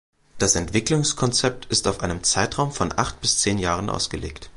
Das Entwicklungskonzept ist auf einen Zeitraum von acht bis zehn Jahren ausgelegt.